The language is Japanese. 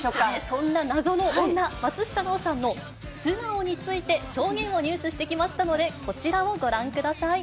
そんな謎の女、松下奈緒さんの素顔について証言を入手してきましたので、こちらをご覧ください。